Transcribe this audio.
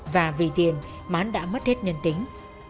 và vì tiền mán đã mất hết nhân tính